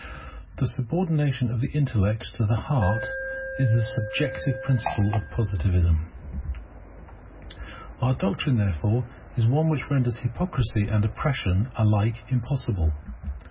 [The subordination of the intellect to the heart is the Subjective Principle of Positivism] Our doctrine, therefore, is one which renders hypocrisy and oppression alike impossible.